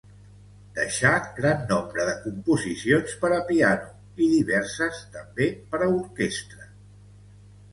Deixà gran nombre de composicions per a piano i diverses també per a orquestra.